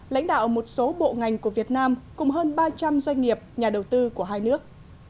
lãnh đạo một số bộ ngành của việt nam cùng hơn ba trăm linh doanh nghiệp nhà đầu tư của hai nước